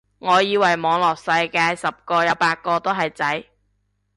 我以為網絡世界十個有八個都係仔